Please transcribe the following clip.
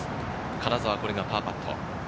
金澤、これがパーパット。